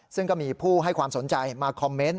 ซึ่งก็มีผู้ให้ความสนใจมาคอมเมนต์